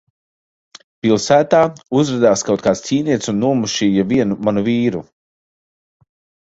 Pilsētā uzradās kaut kāds ķīnietis un nomušīja vienu manu vīru.